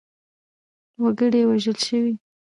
وګړي وژل شوي.